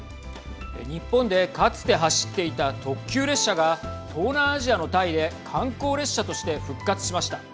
日本でかつて走っていた特急列車が東南アジアのタイで観光列車として復活しました。